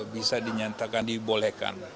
bisa dinyatakan dibolehkan